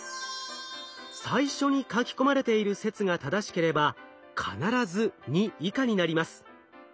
最初に書き込まれている説が正しければ必ず「２」以下になります。